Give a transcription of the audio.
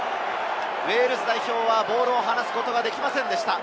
ウェールズ代表はボールを離すことができませんでした。